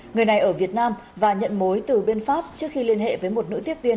người này ở việt nam và nhận mối từ bên pháp trước khi liên hệ với một nữ tiếp viên